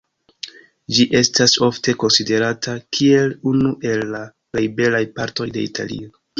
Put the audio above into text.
Ĝi estas ofte konsiderata kiel unu el la plej belaj partoj de Italio.